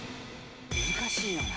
難しいよな。